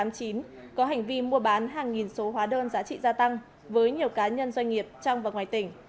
có hành vi mua bán hàng nghìn số hóa đơn giá trị gia tăng với nhiều cá nhân doanh nghiệp trong và ngoài tỉnh